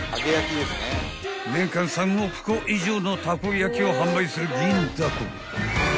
［年間３億個以上のたこ焼を販売する銀だこ］